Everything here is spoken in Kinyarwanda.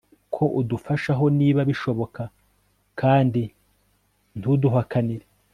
ko udufashaho niba bishoboka kandi ntuduhakanire